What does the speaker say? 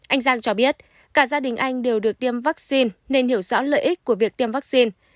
anh giang cho biết cả gia đình anh đều được tiêm vắc xin nên hiểu rõ lợi ích của việc tiêm vắc xin